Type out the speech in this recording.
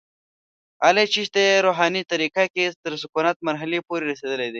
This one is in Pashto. علي چشتیه روحاني طریقه کې تر سکونت مرحلې پورې رسېدلی دی.